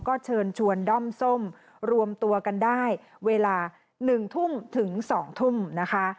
ก็เชิญชวนด้อมส้มรวมตัวกันได้เวลา๑ทุ่มถึง๒ทุ่มนะคะ